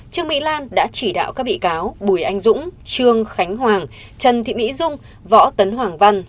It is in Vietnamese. trương mỹ lan đã chỉ đạo các bị cáo bùi anh dũng trương khánh hoàng trần thị mỹ dung võ tấn hoàng văn